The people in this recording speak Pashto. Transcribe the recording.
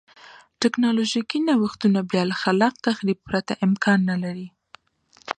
ټکنالوژیکي نوښتونه بیا له خلاق تخریب پرته امکان نه لري.